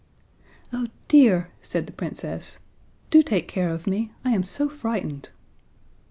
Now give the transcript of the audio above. "Oh, dear," said the Princess, "do take care of me. I am so frightened."